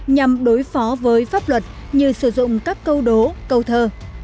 nhằm đối phó với pháp luật như sử dụng các câu đố câu thơ